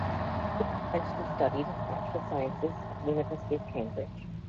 Hulme eventually studied Natural Sciences at the University of Cambridge.